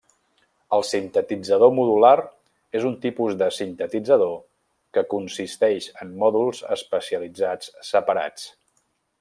El sintetitzador modular és un tipus de sintetitzador que consisteix en mòduls especialitzats separats.